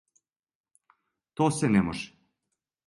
То се не може.